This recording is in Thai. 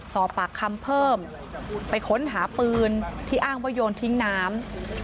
สอบปากคำเพิ่มไปค้นหาปืนที่อ้างว่าโยนทิ้งน้ำ